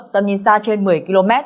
tầm nhìn xa trên một mươi km